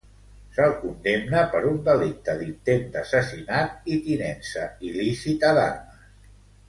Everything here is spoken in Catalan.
Se'l condemna per un delicte d'intent d'assassinat i tinença il·lícita d'armes.